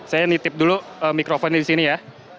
saya nitip dulu mikrofon di sini ya